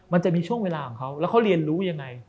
มันจะมีช่วงเวลาของเขาแล้วเขาเรียนรู้ยังไง